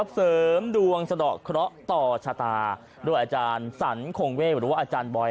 เสริมดวงสะดอกเคราะห์ต่อชะตาด้วยอาจารย์สรรคงเวศหรือว่าอาจารย์บอย